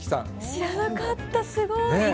知らなかった、すごい。